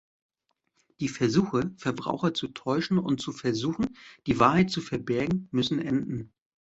Die Versuche, Verbraucher zu täuschen und zu versuchen, die Wahrheit zu verbergen, müssen enden.